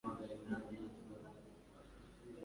Wagize amahirwe yo kuvugana na Weya?